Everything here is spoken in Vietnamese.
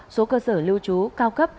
số cơ sở lưu trú cao cấp